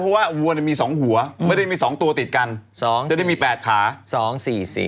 เพราะว่าวัวเนี่ยมีสองหัวไม่ได้มีสองตัวติดกันสองจะได้มีแปดขาสองสี่สี